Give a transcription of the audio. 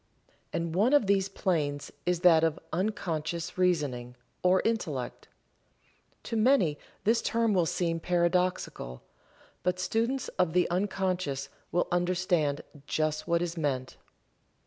And one of these planes is that of Unconscious Reasoning, or Intellect. To many this term will seem paradoxical, but students of the unconscious will understand just what is meant.